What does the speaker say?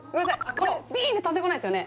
これビーンって飛んでこないですよね？